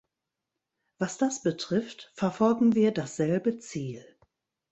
Was das betrifft, verfolgen wir dasselbe Ziel.